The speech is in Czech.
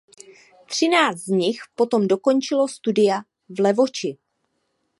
Třináct z nich potom dokončilo studia v Levoči.